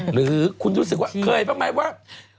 หรือคุณรู้สึกว่าเคยบ้างไหมว่า